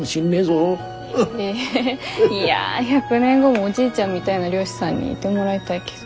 えいや１００年後もおじいちゃんみたいな漁師さんにいてもらいたいけど。